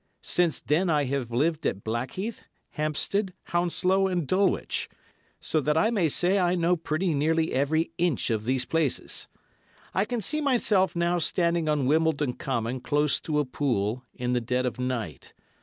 Since then I have lived at Blackheath, Hampstead, Hounslow and Dulwich, so that I may say I know pretty nearly every inch of these places. I can see myself now standing on Wimbledon Common close to a pool, in the dead of night.